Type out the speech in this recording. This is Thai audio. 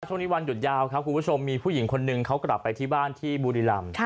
ช่วงนี้วันหยุดยาวครับคุณผู้ชมมีผู้หญิงคนนึงเขากลับไปที่บ้านที่บุรีรำ